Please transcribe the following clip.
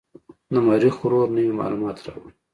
د مریخ روور نوې معلومات راوړي.